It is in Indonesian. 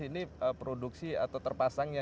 ini produksi atau terpasangnya